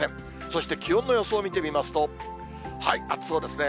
そして気温の予想を見てみますと、暑そうですね。